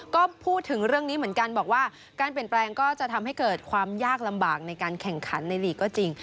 ก็พูดถึงเรื่องนี้เหมือนกันบอกว่าการเปลี่ยนแปลงก็จะทำให้เกิดความยากลำบากในการแข่งขันในลีกก็จริง